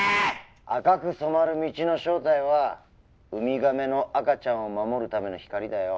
赤く染まる道の正体はウミガメの赤ちゃんを守るための光だよ